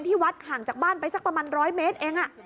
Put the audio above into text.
ที่วัดห่างจากบ้านไปสักประมาณ๑๐๐เมตรเอง